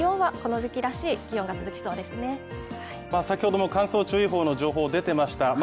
先ほども乾燥注意報の情報が出ていました。